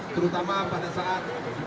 terutama pada saat